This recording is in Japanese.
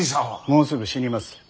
もうすぐ死にます。